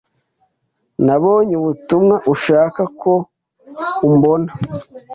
Nabonye ubutumwa ushaka ko umbona.